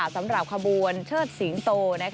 สำหรับขบวนเชิดสิงโต